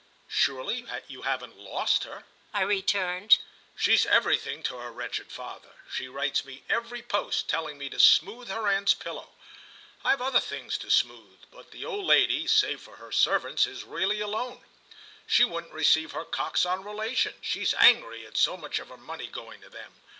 "Surely you haven't lost her?" I returned. "She's everything to her wretched father. She writes me every post—telling me to smooth her aunt's pillow. I've other things to smooth; but the old lady, save for her servants, is really alone. She won't receive her Coxon relations—she's angry at so much of her money going to them.